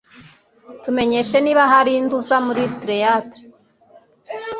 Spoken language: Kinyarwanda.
Tumenyeshe niba hari undi uza muri theatre